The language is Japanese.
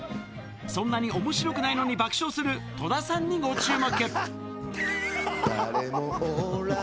そんなに面白くないのに爆笑する戸田さんにご注目